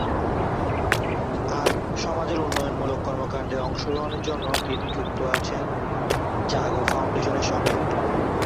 আর সমাজের উন্নয়ন মূলক কর্মকান্ডে অংশ গ্রহণের জন্য তিনি যুক্ত আছেন ‘জাগো ফাউন্ডেশনের’ সঙ্গে।